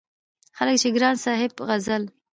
ځکه چې د ګران صاحب غزل